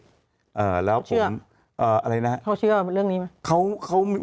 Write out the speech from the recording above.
เขาเชื่อเรื่องนี้ไหม